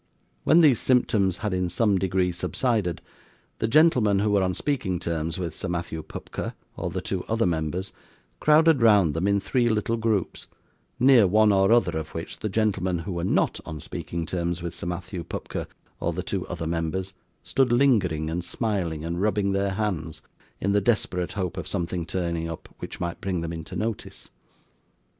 When these symptoms had in some degree subsided, the gentlemen who were on speaking terms with Sir Matthew Pupker, or the two other members, crowded round them in three little groups, near one or other of which the gentlemen who were NOT on speaking terms with Sir Matthew Pupker or the two other members, stood lingering, and smiling, and rubbing their hands, in the desperate hope of something turning up which might bring them into notice.